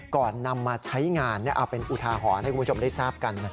ก่อนนำมาใช้งานเอาเป็นอุทาหรณ์ให้คุณผู้ชมได้ทราบกัน